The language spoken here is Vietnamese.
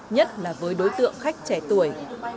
nhất là với đối tượng khách trẻ tuổi